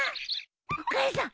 お母さん！